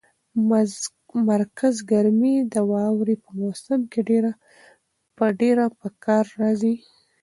مرکز ګرمي د واورې په موسم کې ډېره په کار راځي.